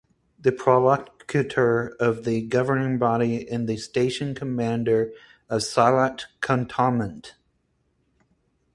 The prolocutor of the Governing Body is the station commander of Sylhet Cantonment.